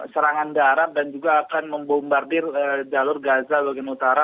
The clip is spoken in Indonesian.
serangan darat dan juga akan membombardir jalur gaza bagian utara